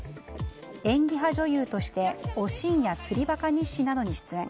演技派女優として「おしん」や「釣りバカ日誌」などに出演。